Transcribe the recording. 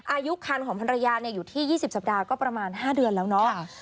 อายุคันของภรรยาอยู่ที่๒๐สัปดาห์ก็ประมาณ๕เดือนแล้วเนาะ